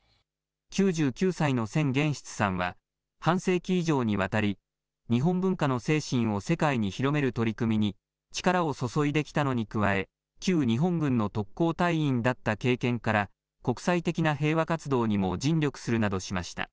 ９９歳の千玄室さんは半世紀以上にわたり日本文化の精神を世界に広める取り組みに力を注いできたのに加え旧日本軍の特攻隊員だった経験から国際的な平和活動にも尽力するなどしました。